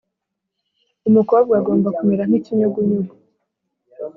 umukobwa agomba kumera nk'ikinyugunyugu